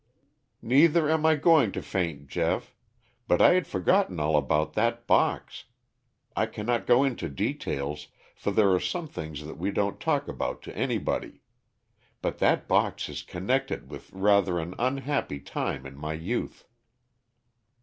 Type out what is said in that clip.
"Neither am I going to faint, Geoff. But I had forgotten all about that box. I cannot go into details, for there are some things that we don't talk about to anybody. But that box is connected with rather an unhappy time in my youth."